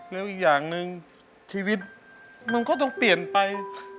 แล้วอีกอย่างหนึ่งชีวิตมันก็ต้องเปลี่ยนไป